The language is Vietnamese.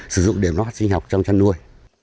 sử dụng đệm lót sinh học trong chăn nuôi